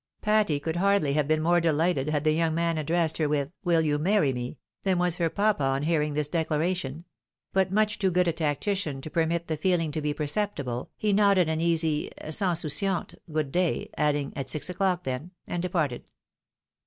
Patty could hardly have been more delighted had the young man addressed her with, " WiU you marry me ?" than was her papa on hearing this declaration ; but much too good a tactician to permit the feeling to be perceptible, he nodded an easy, sans souciante " good day," adding " at six o'clock then," and departed.